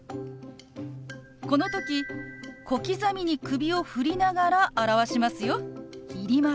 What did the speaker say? この時小刻みに首を振りながら表しますよ。